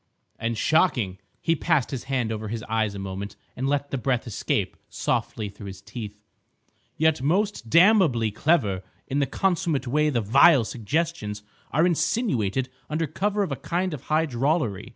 "And shocking!" He passed his hand over his eyes a moment and let the breath escape softly through his teeth. "Yet most damnably clever in the consummate way the vile suggestions are insinuated under cover of a kind of high drollery.